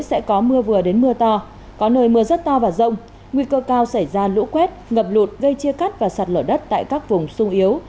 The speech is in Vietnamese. sẽ có mưa vừa đến mưa to có nơi mưa rất to và rông nguy cơ cao xảy ra lũ quét ngập lụt gây chia cắt và sạt lở đất tại các vùng sung yếu